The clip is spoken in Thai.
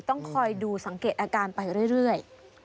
ต้องคอยดูสังเกตอาการไปเรื่อย